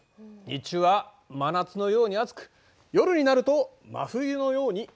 日中は真夏のように暑く夜になると真冬のように寒い。